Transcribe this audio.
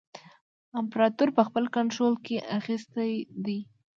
امپراطور په خپل کنټرول کې اخیستی دی.